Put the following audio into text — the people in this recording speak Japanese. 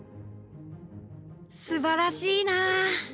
「すばらしいなあ」。